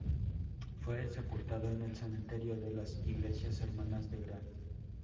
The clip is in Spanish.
Fue sepultado en el cementerio de las iglesias hermanas de Gran.